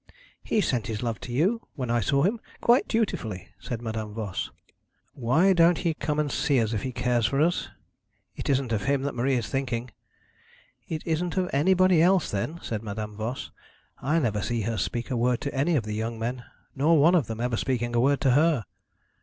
'He sent his love to you, when I saw him, quite dutifully,' said Madame Voss. 'Why don't he come and see us if he cares for us? It isn't of him that Marie is thinking.' 'It isn't of anybody else then,' said Madame Voss. 'I never see her speak a word to any of the young men, nor one of them ever speaking a word to her.'